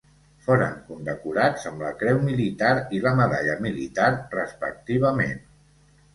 Foren condecorats amb la Creu Militar i la Medalla Militar, respectivament.